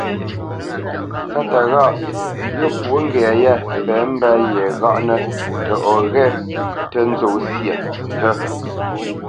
Sáta ghâʼ yó pwǒ ŋgɛ̌ ya pɛ̂ mbə́ ye ghaʼnə tə o ghe ntə nzô sya ntə.